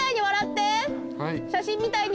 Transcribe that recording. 写真みたいに。